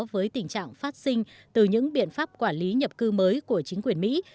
với tình trạng phát sinh từ những biện pháp quản lý nhập cư mới của chính quyền mỹ